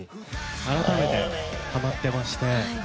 改めて、はまっていまして。